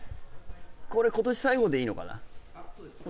これ今年最後でいいのかなあっ